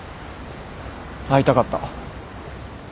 会いたかった。